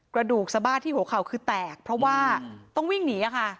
กระดูกสบ้าที่หัวเข่าคือแตกเพราะว่าต้องวิ่งหนีค่ะ